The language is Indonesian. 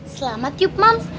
selamat yuk mams